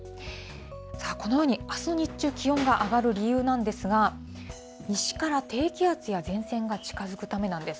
さあ、このようにあす日中、気温が上がる理由なんですが、西から低気圧や前線が近づくためなんです。